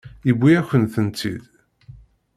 Yuwi-akent-tent-id.